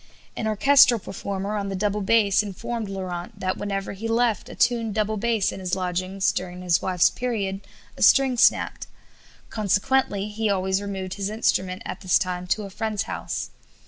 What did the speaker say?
An orchestral performer on the double bass informed Laurent that whenever he left a tuned double bass in his lodgings during his wife's period a string snapped; consequently he always removed his instrument at this time to a friend's house.